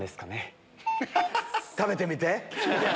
食べてみて。